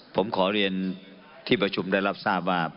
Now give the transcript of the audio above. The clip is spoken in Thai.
ผมขอเรียนที่ประชุมได้รับทราบว่า